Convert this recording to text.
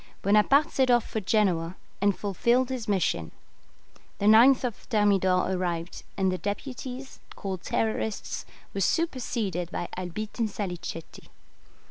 Bonaparte set off for Genoa, and fulfilled his mission. The 9th Thermidor arrived, and the deputies, called Terrorists, were superseded by Albitte and Salicetti.